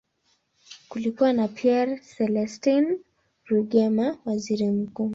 Kulikuwa na Pierre Celestin Rwigema, waziri mkuu.